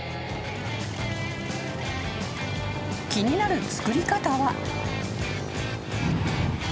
［気になるつくり方は］